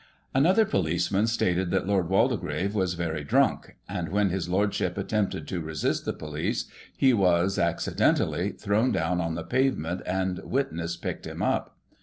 Another policeman stated that Lord Waldegrave was very drunk, and, when his Lordship attempted to resist the police, he was, accidentally, thrown down on the pavement, and witness picked him up.